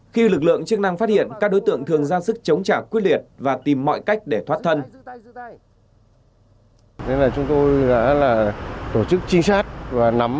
khi lực lượng chức năng phát hiện các đối tượng thường ra sức chống trả quyết liệt và tìm mọi cách để thoát thân